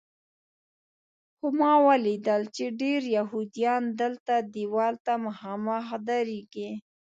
خو ما ولیدل چې ډېر یهودیان دلته دیوال ته مخامخ درېږي.